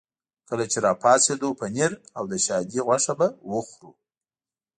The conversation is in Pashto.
کله چې را پاڅېدو پنیر او د شادي غوښه به وخورو.